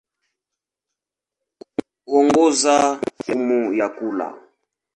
Huongeza hamu ya kula.